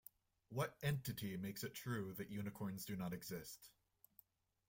What "entity" makes it true that unicorns do not exist?